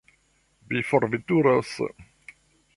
Vi forveturos?